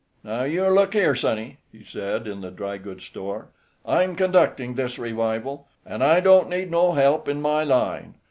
"Now you look here, sonny," he said, in the dry goods store, "I'm conducting this revival, an' I don't need no help in my line.